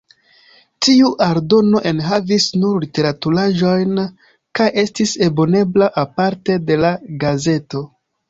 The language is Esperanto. Tiu aldono enhavis nur literaturaĵojn kaj estis abonebla aparte de la gazeto.